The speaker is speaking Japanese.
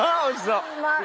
うまい！